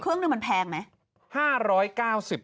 เครื่องนึงมันแพงไหม